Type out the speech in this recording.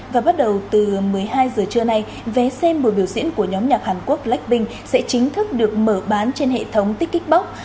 và bắt đầu từ một mươi hai giờ trưa nay vé xem buổi biểu diễn của nhóm nhạc hàn quốc blackpink sẽ chính thức được mở bán trên hệ thống tikikbox